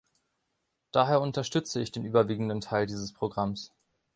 Daher unterstütze ich den überwiegenden Teil dieses Programms.